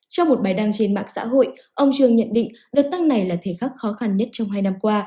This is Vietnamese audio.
trong một bài đăng trên mạng xã hội ông jong nhận định đợt tăng này là thời khắc khó khăn nhất trong hai năm qua